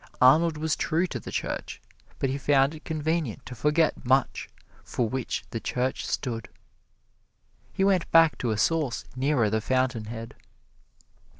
Arnold was true to the Church, but he found it convenient to forget much for which the Church stood. He went back to a source nearer the fountainhead.